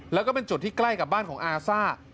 แล้วก็เป็นจุดที่ใกล้กับบ้านของอาซ่า